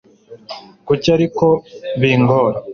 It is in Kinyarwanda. Kuki ariko bingora